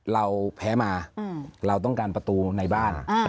เราแพ้มาเราต้องการประตูในบ้าน